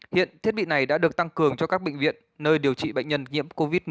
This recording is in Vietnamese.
hiện thiết bị này đã được tăng cường cho các bệnh viện nơi điều trị bệnh nhân nhiễm covid một mươi chín